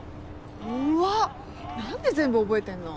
怖っ何で全部覚えてんの？